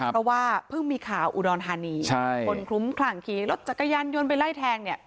เพราะว่าเพิ่งมีข่าวอุดรธานีคนคลุ้มคลั่งขี่รถจักรยานยนต์ไปไล่แทงเนี่ย